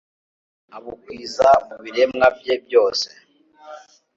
abukwiza mu biremwa bye byose